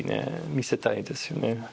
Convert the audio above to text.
見せたいですよね。